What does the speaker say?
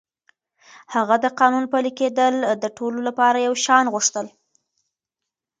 هغه د قانون پلي کېدل د ټولو لپاره يو شان غوښتل.